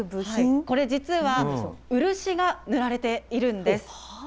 これ実は、漆が塗られているんです。